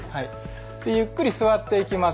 ゆっくり座っていきます。